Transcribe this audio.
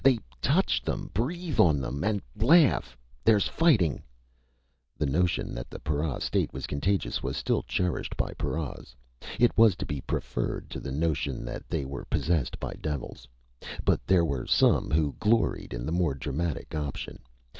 They touch them; breathe on them and laugh! There's fighting _" The notion that the para state was contagious was still cherished by paras. It was to be preferred to the notion that they were possessed by devils. But there were some who gloried in the more dramatic opinion.